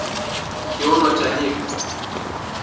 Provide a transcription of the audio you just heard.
Kiuno cha nyigu